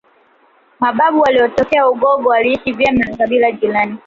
Mababu waliotokea Ugogo waliishi vyema na makibila jirani